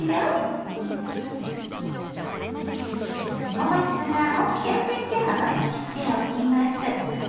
小松菜を４ｃｍ幅に切っておきます。